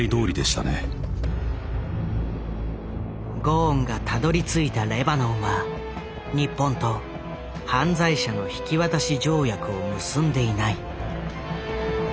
ゴーンがたどりついたレバノンは日本と犯罪者の引き渡し条約を結んでいない。